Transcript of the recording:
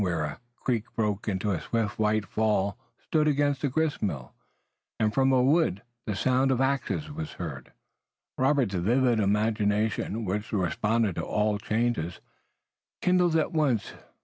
Where a creek broke into a swift white fall stood a grist mill, and from a wood the sound of axes was heard. Robert's vivid imagination, which responded to all changes, kindled at once.